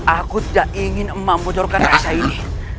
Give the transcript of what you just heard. aku tak ingin emak membojorkan kisah ini